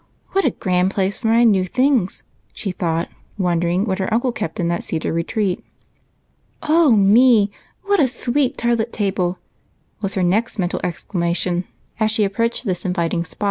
"What a grand place for my new things," she thought, wondering what her uncle kept in that cedar retreat. " Oh me, what a sweet toilet table !" was her next mental exclamation, as she approached this inviting spot.